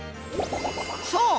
そう！